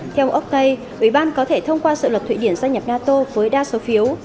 theo oktay ủy ban có thể thông qua sự luật thụy điển gia nhập nato với đa số phiếu